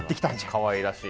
かわいらしい。